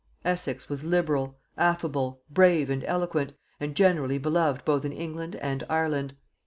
Essex was liberal, affable, brave and eloquent, and generally beloved both in England and Ireland.